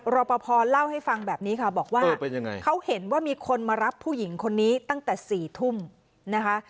รอปภเล่าให้ฟังแบบนี้ค่ะบอกว่าเขาเห็นว่ามีคนมารับผู้หญิงคนนี้ตั้งแต่๔ทุ่มนะคะ